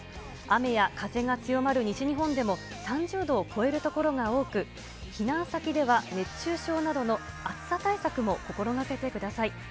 雨や風が強まる西日本でも、３０度を超える所が多く、避難先では熱中症などの暑さ対策も心がけてください。